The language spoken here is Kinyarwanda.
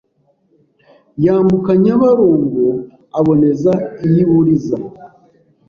yambuka Nyabarongo aboneza iy’i Buliza;